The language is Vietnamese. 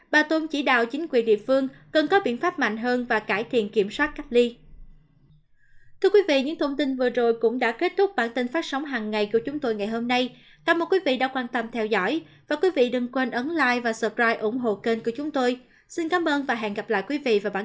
bà tôn chỉ đạo chính quyền địa phương cần có biện pháp mạnh hơn và cải thiện kiểm soát cách ly